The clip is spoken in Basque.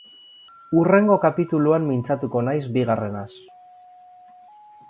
Hurrengo kapituluan mintzatuko naiz bigarrenaz.